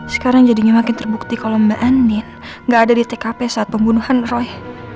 sekarang jadinya makin terbukti kalau mbak eni nggak ada di tkp saat pembunuhan roy